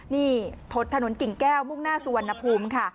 นี่ถนนกิ่งแก้วมุ่งหน้าสุวรรณภูมิค่ะ